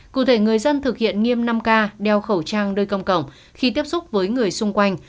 cụ thể người dân thực hiện nghiêm năm k đeo khẩu trang nơi công cộng khi tiếp xúc với người xung quanh